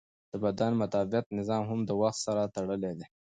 د بدن مدافعت نظام هم د وخت سره تړلی دی.